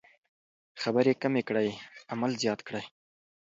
خبرې کمې کړئ عمل زیات کړئ.